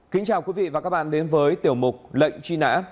kính chào quý vị và các bạn đến với tiểu mục lệnh truy nã